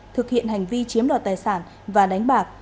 thực hiện hành vi chiếm đoạt tài sản và đánh bạc